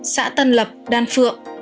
xã tân lập đan phượng